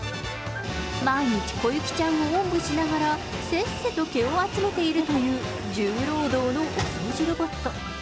毎日こゆきちゃんをおんぶしながら、せっせと毛を集めているという、重労働のお掃除ロボット。